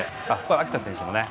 秋田選手もね。